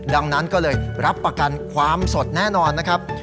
ดังนั้นก็เลยรับประกันความสดแน่นอนนะครับ